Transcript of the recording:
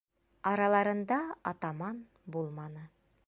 Араларында атаман булманы.